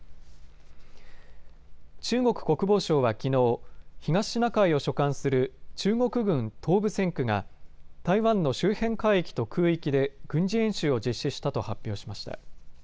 中国国防省はきのう、東シナ海を所管する中国軍東部戦区が台湾の周辺海域と空域で軍事演習を実施したと発表しました。